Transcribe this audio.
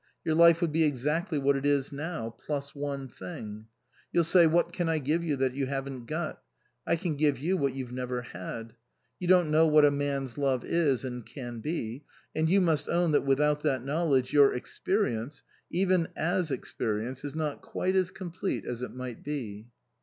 Your life would be exactly what it is now plus one thing. You'll say, 'What can I give you that you haven't got?' I can give you what you've never had. You don't know what a man's love is and can be ; and you must own that without that knowledge your experience, even as experi ence, is not quite as complete as it might be."